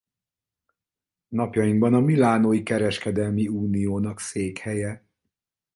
Napjainkban a milánói kereskedelmi uniónak székhelye.